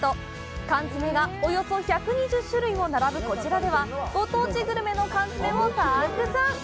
缶詰がおよそ１２０種類も並ぶこちらではご当地グルメの缶詰もたくさん。